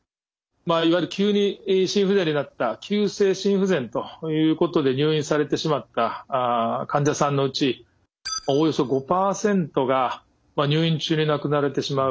いわゆる急に心不全になった急性心不全ということで入院されてしまった患者さんのうちおよそ５％が入院中に亡くなられてしまう。